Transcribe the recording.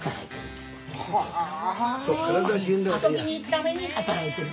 遊びに行くために働いてる。